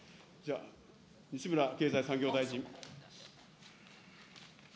西村経済産業大臣。